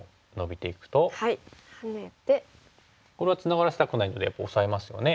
これはツナがらせたくないのでオサえますよね。